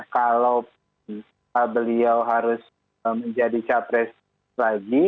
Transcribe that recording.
kalau beliau harus menjadi capres lagi